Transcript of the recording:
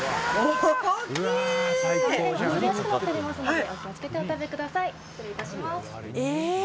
大変崩れやすくなってますのでお気をつけてお食べください。